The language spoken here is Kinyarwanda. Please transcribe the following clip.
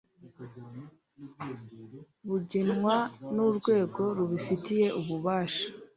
bugenwa nurwego rubifitiye ububasha